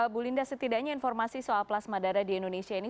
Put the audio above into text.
bu linda setidaknya informasi soal plasma darah di indonesia ini